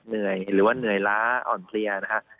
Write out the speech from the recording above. หรือว่าเหนื่อยร้าและอ่อนเพลีย